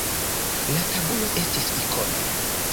La tabulo estis ikono.